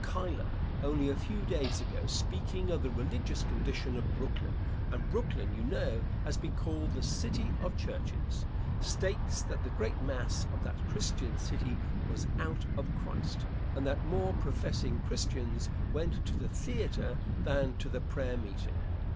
Cuyler, only a few days ago, speaking of the religious condition of Brooklyn and Brooklyn, you know, has been called the City of Churches states that the great mass of that Christian city was out of Christ, and that more professing Christians went to the theatre than to the prayer meeting.